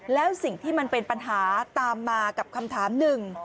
แล้วสิ่งที่มันเป็นปัญหาตามมากับคำถามหนึ่ง